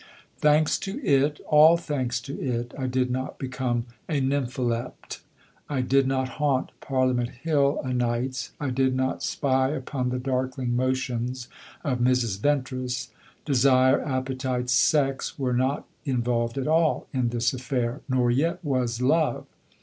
Thanks to it all thanks to it I did not become a nympholept. I did not haunt Parliament Hill o' nights. I did not spy upon the darkling motions of Mrs. Ventris. Desire, appetite, sex were not involved at all in this affair; nor yet was love.